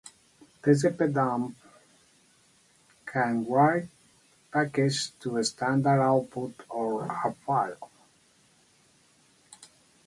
Tcpdump can write packets to standard output or a file.